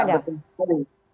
iya betul sekali